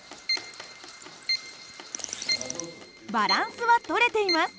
バランスは取れています。